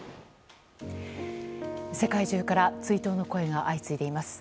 世界中から追悼の声が相次いでいます。